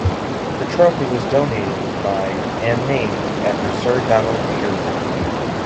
The trophy was donated by and named after Sir Donald Currie.